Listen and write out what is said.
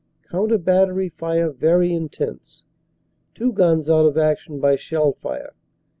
Coun ter battery fire very intense; two guns out of action by shell fire.